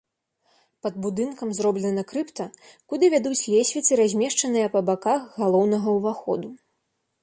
Пад будынкам зроблена крыпта, куды вядуць лесвіцы, размешчаныя па баках галоўнага ўваходу.